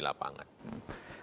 nah keadaan di lapangan